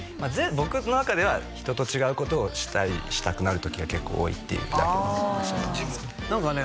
僕の中では人と違うことをしたいしたくなる時が結構多いっていうだけの話だと思いますね何かね